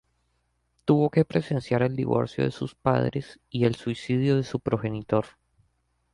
Tuvo que presenciar el divorcio de sus padres y el suicidio de su progenitor.